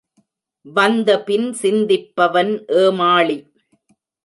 வந்த பின் சிந்திப்பவன் ஏமாளி.